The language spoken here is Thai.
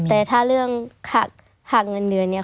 แต่ถ้าเรื่องหักเงินเดือนเนี่ย